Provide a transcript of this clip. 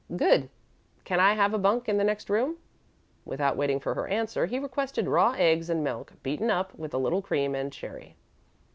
"Good. Can I have a bunk in the next room?" Without waiting for her answer, he requested raw eggs and milk, beaten up with a little cream and sherry.